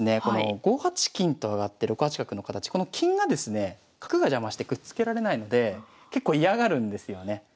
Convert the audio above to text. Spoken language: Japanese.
この５八金と上がって６八角の形この金がですね角が邪魔してくっつけられないので結構嫌がるんですよね。